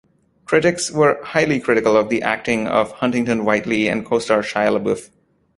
Critics were highly critical of the acting of Huntington-Whiteley and co-star Shia LaBeouf.